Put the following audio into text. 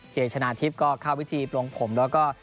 ชนะทิพย์ก็เข้าวิธีปลงผมแล้วก็